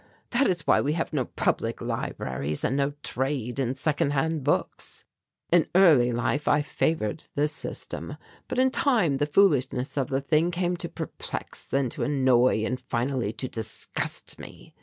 That is why we have no public libraries and no trade in second hand books. "In early life I favoured this system, but in time the foolishness of the thing came to perplex, then to annoy, and finally to disgust me.